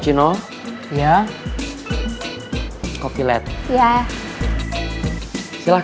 besok akang berangkat ke garut